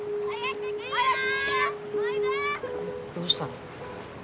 どうしたの？